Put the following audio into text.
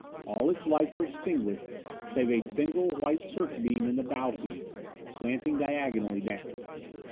All its lights were extinguished save a single white search beam in the bow peak, slanting diagonally down.